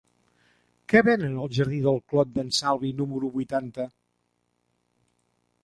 Què venen al jardí del Clot d'en Salvi número vuitanta?